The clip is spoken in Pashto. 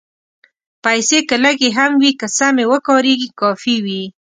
پېسې که لږې هم وي، که سمې وکارېږي، کافي وي.